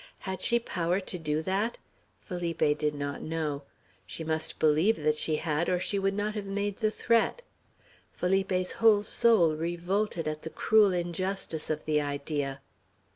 Had she power to do that? Felipe did not know. She must believe that she had, or she would not have made the threat. Felipe's whole soul revolted at the cruel injustice of the idea.